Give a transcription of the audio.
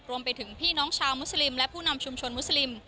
พี่น้องชาวมุสลิมและผู้นำชุมชนมุสลิม